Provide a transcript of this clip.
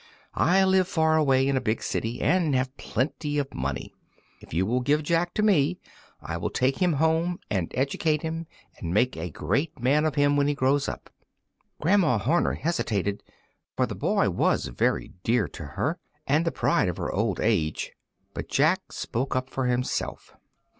I live far away in a big city, and have plenty of money. If you will give Jack to me I will take him home and educate him, and make a great man of him when he grows up." Grandma Horner hesitated, for the boy was very dear to her and the pride of her old age; but Jack spoke up for himself.